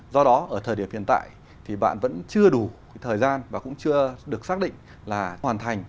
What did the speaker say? do đó ở thời điểm hiện tại thì bạn vẫn chưa đủ thời gian và cũng chưa được xác định là hoàn thành